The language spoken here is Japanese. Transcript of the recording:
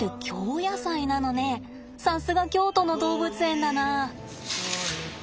さすが京都の動物園だな。